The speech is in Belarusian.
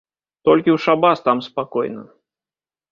Толькі ў шабас там спакойна.